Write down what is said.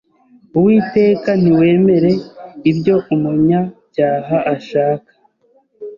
Uwiteka ntiwemere ibyo umunyabyaha ashaka